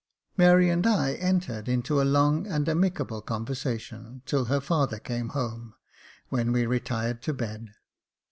Mary and I entered into a long and amicable conversa tion, till her father came home, when we retired to bed.